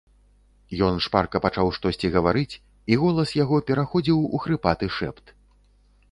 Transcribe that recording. Ён шпарка пачаў штосьці гаварыць, і голас яго пераходзіў у хрыпаты шэпт.